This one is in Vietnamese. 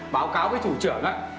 báo cáo với chủ trưởng á